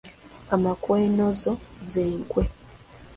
Amakwenezo ze nkwe.